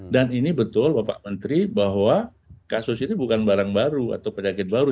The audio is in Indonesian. dan ini betul bapak menteri bahwa kasus ini bukan barang baru atau penyakit baru